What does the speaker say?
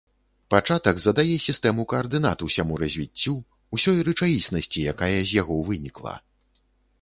Пачатак задае сістэму каардынат усяму развіццю, усёй рэчаіснасці, якая з яго вынікла.